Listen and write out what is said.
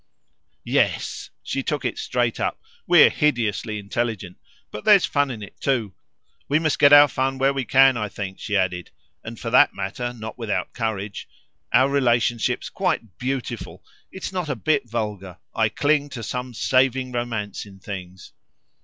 "Yes," she took it straight up; "we're hideously intelligent. But there's fun in it too. We must get our fun where we can. I think," she added, and for that matter not without courage, "our relation's quite beautiful. It's not a bit vulgar. I cling to some saving romance in things."